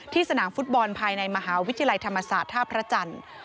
สนามฟุตบอลภายในมหาวิทยาลัยธรรมศาสตร์ท่าพระจันทร์